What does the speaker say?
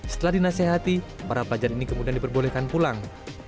setelah dinasehati para pelajar ini kemudian diperbolehkan pulang